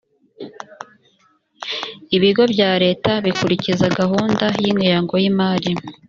ibigo bya leta bikurikiza gahunda y ingengo y imari